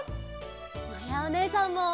まやおねえさんも！